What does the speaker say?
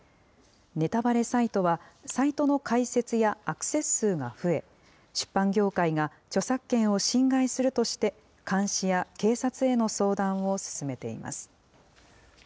ネタバレサイトは、サイトの開設やアクセス数が増え、出版業界が著作権を侵害するとして、監視や警察への相談を進めています。